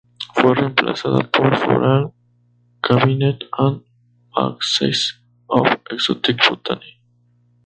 Fue reemplazada por "Floral Cabinet, and Magazine of Exotic Botany".